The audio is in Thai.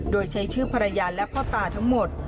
โดยใช้ชื่อภรรยาและพ่อตาทั้งหมด